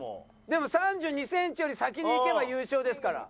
でも３２センチより先に行けば優勝ですから。